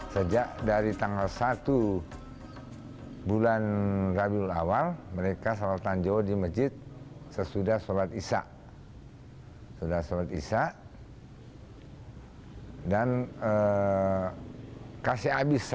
sejak dari tanggal satu bulan rabiul awal mereka salatan jauh di masjid sesudah sholat isya